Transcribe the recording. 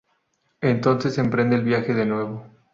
Entonces emprende el viaje de nuevo.